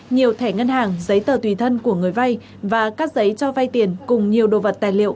nhiều thẻ ngân hàng giấy tờ tùy thân của người vay và các giấy cho vay tiền cùng nhiều đồ vật tài liệu